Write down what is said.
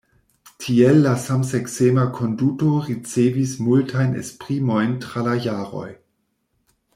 Tiel la samseksema konduto ricevis multajn esprimojn tra la jaroj.